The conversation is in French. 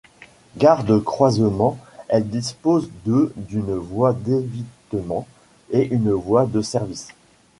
Gare de croisement elle dispose de d'une voie d'évitement et une voie de service.